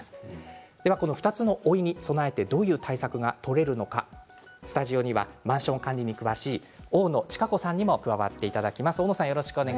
これに備えてどういう対策が取れるのかマンション管理に詳しい大野稚佳子さんにも加わっていただきます。